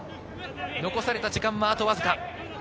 残された時間はあとわずか。